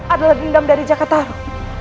adalah dindam dari jakataru